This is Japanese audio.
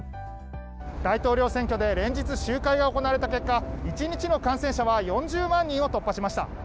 大統領選挙で連日集会が行われた結果１日の感染者は４０万人を突破しました。